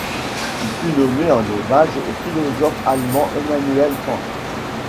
Il fut nommé en hommage au philosophe allemand Emmanuel Kant.